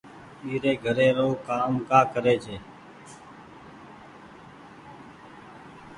ٻيري گهري رو ڪآم ڪري ڇي۔